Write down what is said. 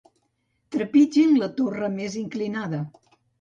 Trepitgin la torre més inclinada.